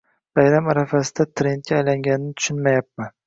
Bayram arafasida trendga aylanganini tushunmayapman.